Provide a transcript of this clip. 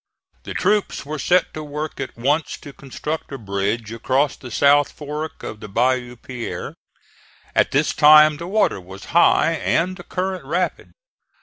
The troops were set to work at once to construct a bridge across the South Fork of the Bayou Pierre. At this time the water was high and the current rapid.